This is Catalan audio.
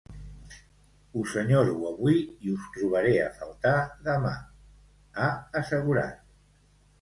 Us enyoro avui i us trobaré a faltar demà, ha assegurat.